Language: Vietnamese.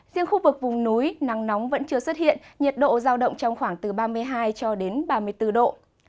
riêng khu vực vùng núi nắng nóng vẫn chưa xuất hiện nhiệt độ giao động trong khoảng từ ba mươi hai cho đến ba mươi bốn độ